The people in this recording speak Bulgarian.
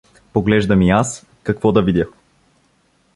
Поглеждам и аз — какво да видя.